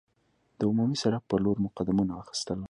د عمومي سړک پر لور مو قدمونه اخیستل.